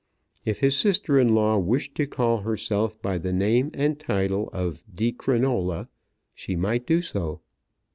If his sister in law wished to call herself by the name and title of Di Crinola, she might do so.